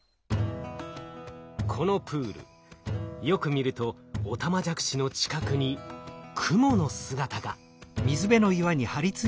このプールよく見るとオタマジャクシの近くにクモの姿が。